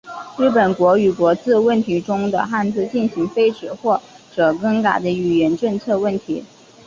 日本国语国字问题中的汉字进行废止或者更改的语言政策问题。